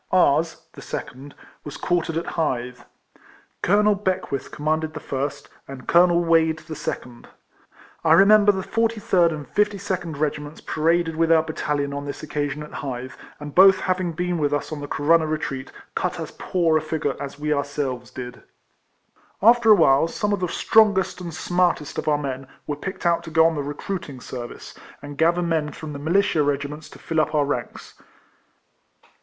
Ours (the second) was quartered at Hythe. Colonel Beck with EIFLEMAN HARRIS. 241 commanded the first, and Colonel Wade the second. 1 remember the 43rd and 52nd Regiments paraded with our battalion on this occasion at Hythe, and both having been with us on the Corunna retreat, cut as poor a figure as we ourselves did. After awhile, some of the strongest and smartest of our men were picked out to go on the recruiting service, and gather men from the militia regiments to fill up our ranks.